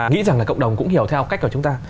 nghĩ rằng là cộng đồng cũng hiểu theo cách của chúng ta